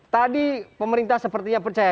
tadi pemerintah sepertinya percaya